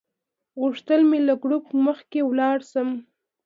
غوښتل مې له ګروپ مخکې لاړ شم.